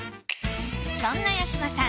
そんな八嶋さん